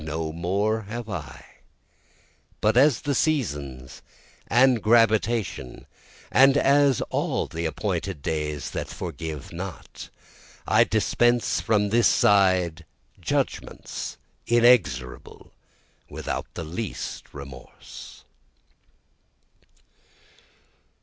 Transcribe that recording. no more have I, But as the seasons and gravitation, and as all the appointed days that forgive not, I dispense from this side judgments inexorable without the least remorse.